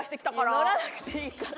乗らなくていいから。